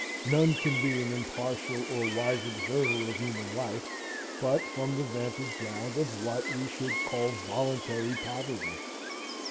None can be an impartial or wise observer of human life but from the vantage ground of what we should call voluntary poverty.